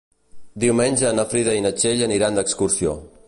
Diumenge na Frida i na Txell aniran d'excursió.